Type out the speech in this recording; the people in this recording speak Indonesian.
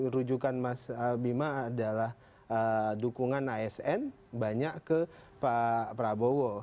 rujukan mas bima adalah dukungan asn banyak ke pak prabowo